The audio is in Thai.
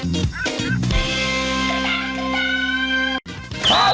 เวลา